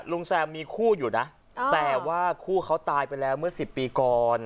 แซมมีคู่อยู่นะแต่ว่าคู่เขาตายไปแล้วเมื่อ๑๐ปีก่อน